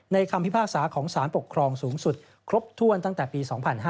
คำพิพากษาของสารปกครองสูงสุดครบถ้วนตั้งแต่ปี๒๕๕๙